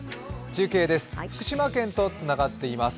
中継です。